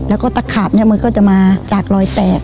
แล้วก็ตะขาบมันก็จะมาจากรอยแตก